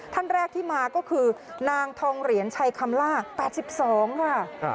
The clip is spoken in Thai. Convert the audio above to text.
ท่านแรกที่มาก็คือนางทองเหรียญชัยคำล่า๘๒ค่ะ